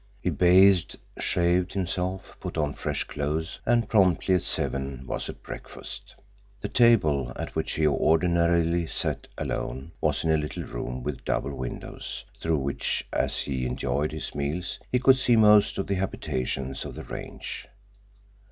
He bathed, shaved himself, put on fresh clothes, and promptly at seven was at breakfast. The table at which he ordinarily sat alone was in a little room with double windows, through which, as he enjoyed his meals, he could see most of the habitations of the range.